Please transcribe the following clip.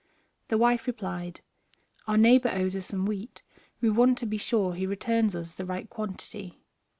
The wife replied, "Our neighbor owes us some wheat; we want to be sure he returns us the right quantity."